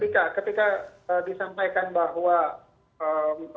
nah ketika disampaikan bahwa larangan